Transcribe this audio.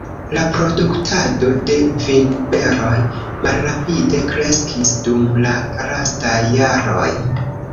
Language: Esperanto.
La produktado de vinberoj malrapide kreskis dum la lastaj jaroj.